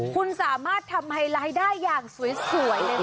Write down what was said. คุณสามารถทำไฮไลท์ได้อย่างสวยเลยนะ